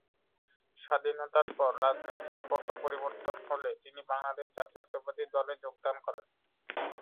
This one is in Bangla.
স্বাধীনতার পর রাজনৈতিক পট পরিবর্তন হলে তিনি বাংলাদেশ জাতীয়তাবাদী দলে যোগ দেন।